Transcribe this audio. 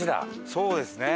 そうですね。